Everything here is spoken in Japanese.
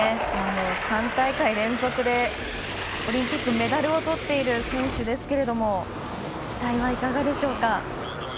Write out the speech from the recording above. ３大会連続でオリンピックメダルをとっている選手ですけれども期待はいかがでしょうか。